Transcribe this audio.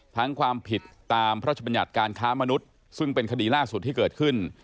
ความผิดตามพระราชบัญญัติการค้ามนุษย์ซึ่งเป็นคดีล่าสุดที่เกิดขึ้น